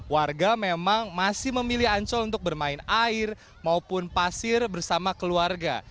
warga memang masih memilih ancol untuk bermain air maupun pasir bersama keluarga